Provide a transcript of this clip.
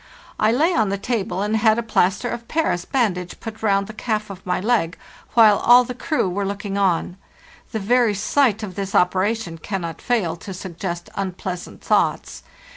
I lay on the table and had a plaster of Paris bandage put round the calf of my leg, while all the crew were looking on. The very sight of this operation can not fail to suggest unpleasant thoughts.